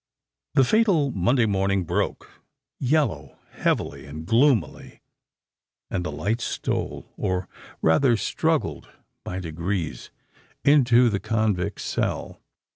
The fatal Monday morning broke, yellow—heavily—and gloomily; and the light stole—or rather struggled by degrees into the convict's cell.